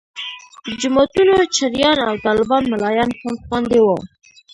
د جوماتونو چړیان او طالبان ملایان هم خوندي وو.